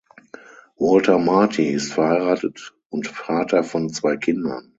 Walter Marty ist verheiratet und Vater von zwei Kindern.